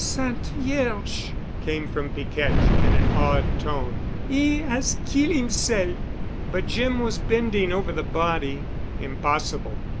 "Sainte Vierge," came from Piquette in an awed tone. "'E 'as kill' 'imself." But Jim was bending over the body. "Impossible.